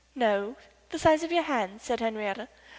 "No, the size of your hands," said Henriette.